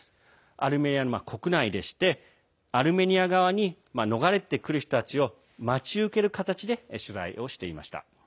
アルメニアの国内でしてアルメニア側に逃れてくる人たちを待ち受ける形で取材をしていました。